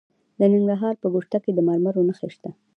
د ننګرهار په ګوشته کې د مرمرو نښې شته.